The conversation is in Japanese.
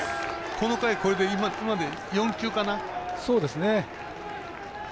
この回、これで４球かな。